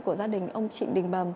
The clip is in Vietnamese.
của gia đình ông trịnh đình bầm